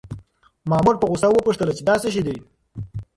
مامور په غوسه وپوښتل چې دا څه شی دی؟